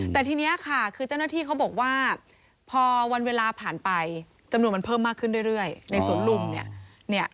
แต่ทีนี้ค่ะคือเจ้าหน้าที่เขาบอกว่าพอวันเวลาผ่านไปจำนวนมันเพิ่มมากขึ้นเรื่อยในสวนลุมเนี่ย